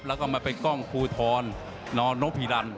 แล้วก็มาเป็นกล้องภูทรนพีรัน